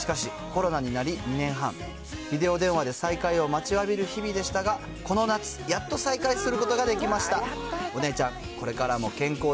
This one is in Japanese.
しかし、コロナになり２年半、ビデオ電話で再会を待ちわびる日々でしたが、この夏、やっと再会することができました。